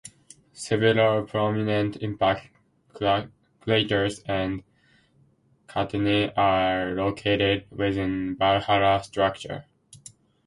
Several prominent impact craters and catenae are located within Valhalla structure.